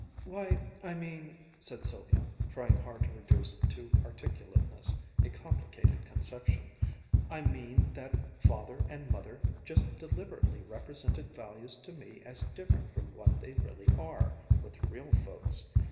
"Why, I mean," said Sylvia, trying hard to reduce to articulateness a complicated conception, "I mean that Father and Mother just deliberately represented values to me as different from what they really are, with real folks!